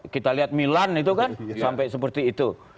kita lihat milan itu kan sampai seperti itu